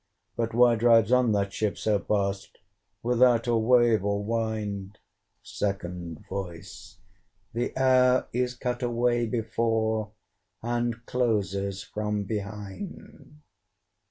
But why drives on that ship so fast, Without or wave or wind? SECOND VOICE. The air is cut away before, And closes from behind.